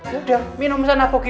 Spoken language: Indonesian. ya udah minum sana popi